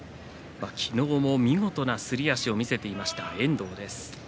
昨日も見事なすり足を見せていました遠藤です。